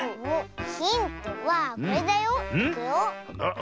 ヒントはこれだよ。いくよ。